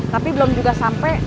tapi belum juga sampai